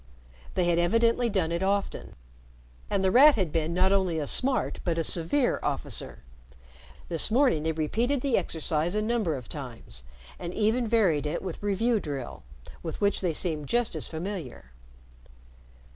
They had evidently done it often, and The Rat had been not only a smart, but a severe, officer. This morning they repeated the exercise a number of times, and even varied it with Review Drill, with which they seemed just as familiar.